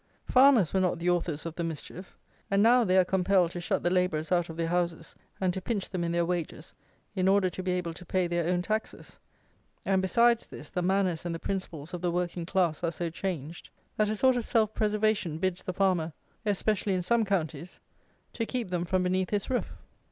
Farmers were not the authors of the mischief; and now they are compelled to shut the labourers out of their houses, and to pinch them in their wages in order to be able to pay their own taxes; and, besides this, the manners and the principles of the working class are so changed, that a sort of self preservation bids the farmer (especially in some counties) to keep them from beneath his roof.